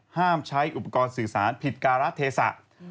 ห้ามใช้อุปกรณ์สื่อสารผิดการะเทศะ